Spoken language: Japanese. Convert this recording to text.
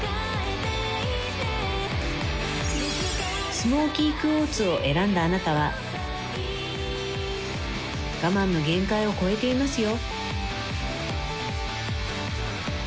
スモーキークォーツを選んだあなたは我慢の限界を超えていますよ